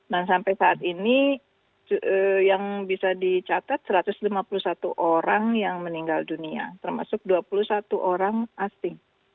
dan sampai saat ini yang bisa dicatat satu ratus lima puluh satu orang yang meninggal dunia termasuk dua puluh satu orang asing